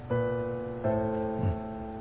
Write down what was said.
うん。